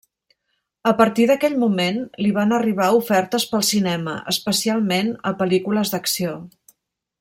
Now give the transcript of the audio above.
A partir d'aquell moment li van arribar ofertes pel cinema, especialment a pel·lícules d'acció.